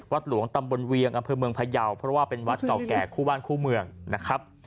หลวงตำบลเวียงอำเภอเมืองพยาวเพราะว่าเป็นวัดเก่าแก่คู่บ้านคู่เมืองนะครับ